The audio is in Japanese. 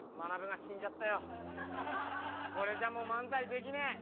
これじゃもう漫才できねえ。